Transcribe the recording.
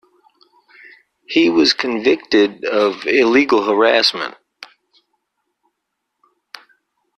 He was convicted of illegal harassment.